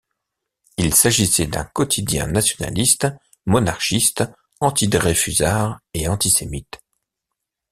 Il s'agissait d'un quotidien nationaliste, monarchiste, antidreyfusard et antisémite.